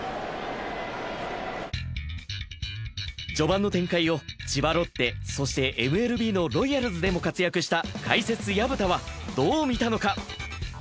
序盤の展開を千葉ロッテ、そしてＭＬＢのロイヤルズでも活躍した解説・薮田はどう見たのか？